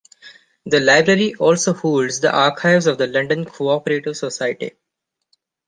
The library also holds the archives of the London Co-operative Society.